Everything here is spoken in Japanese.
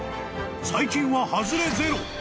［最近は外れゼロ！